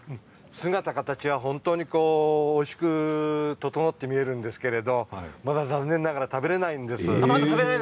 姿形はおいしく整って見えるんですけれどまだ残念ながら食べれないんです。